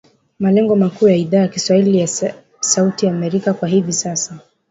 Malengo makuu ya Idhaa ya kiswahili ya Sauti ya Amerika kwa hivi sasa ni